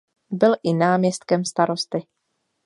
Byl i náměstkem starosty.